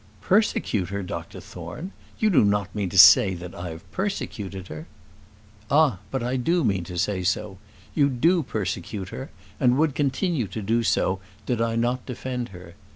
"Persecute her, Dr Thorne! You do not mean to say that I have persecuted her?" "Ah! but I do mean to say so. You do persecute her, and would continue to do so did I not defend her.